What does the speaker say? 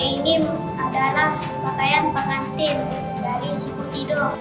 ini adalah pakaian pengantin dari suku tido